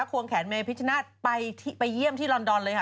วงแขนเมพิชนาธิ์ไปเยี่ยมที่ลอนดอนเลยค่ะ